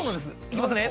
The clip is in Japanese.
いきますね。